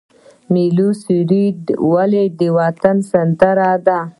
ملي سرود ولې د وطن سندره ده؟